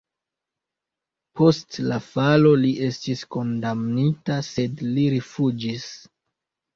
Post la falo li estis kondamnita, sed li rifuĝis.